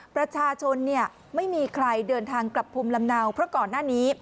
ประชาชนไม่มีใครเดินทางกลับภูมิลำเนาเพราะก่อนหน้านี้